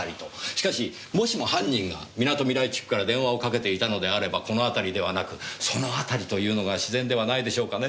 しかしもしも犯人がみなとみらい地区から電話をかけていたのであればこの辺りではなく「その辺り」と言うのが自然ではないでしょうかねえ。